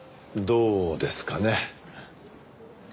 どうですかね。